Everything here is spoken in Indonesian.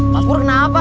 pak pur kenapa